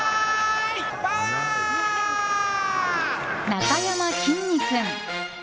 なかやまきんに君。